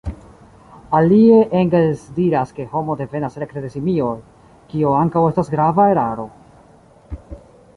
Alie, Engels diras ke homo devenas rekte de simioj, kio ankaŭ estas grava eraro.